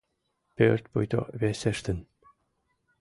Пӧрт пуйто весештын.